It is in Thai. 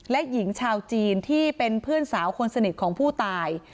และหญิงชาวจีนที่เป็นเพื่อนสาวคนสนิทของผู้ตาย